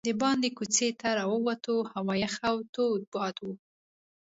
دباندې کوڅې ته راووتو، هوا یخه او توند باد و.